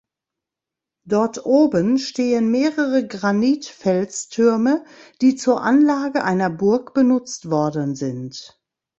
Dort oben stehen mehrere Granit-Felstürme, die zur Anlage einer Burg benutzt worden sind.